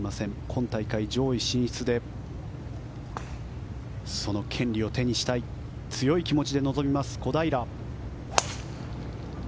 今大会上位進出でその権利を手にしたい強い気持ちで臨みます、小平。